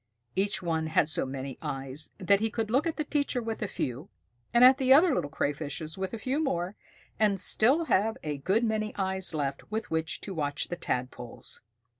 Each one had so many eyes that he could look at the teacher with a few, and at the other little Crayfishes with a few more, and still have a good many eyes left with which to watch the Tadpoles.